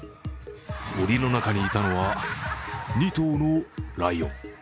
檻の中にいたのは、２頭のライオン。